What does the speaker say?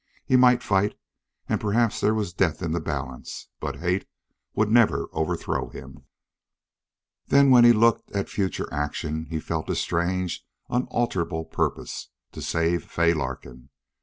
He might fight, and perhaps there was death in the balance, but hate would never overthrow him. Then when he looked at future action he felt a strange, unalterable purpose to save Fay Larkin.